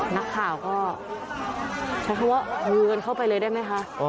นักข่าวก็ใช้คำว่าฮือกันเข้าไปเลยได้ไหมคะ